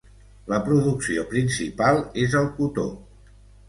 La producció principal és el cotó.